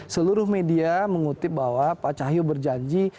seluruh media mengutip bahwa pak cahyo berjanji